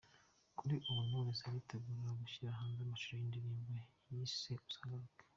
Kuri ubu Knowless aritegura gushyira hanze amashusho y’indirimbo yise ‘Uzagaruke’.